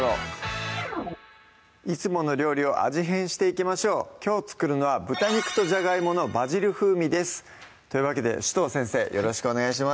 いつもの料理を味変していきましょうきょう作るのは「豚肉とジャガイモのバジル風味」ですというわけで紫藤先生よろしくお願いします